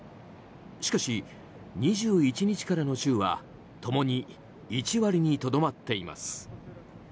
しかし、２１日からの週は共に１割にとどまっています。